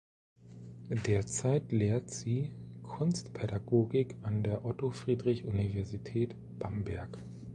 Derzeit lehrt sie Kunstpädagogik an der Otto-Friedrich-Universität Bamberg.